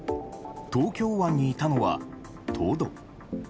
東京湾にいたのは、トド。